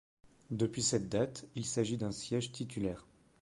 Depuis cette date, il s'agit d'un siège titulaire.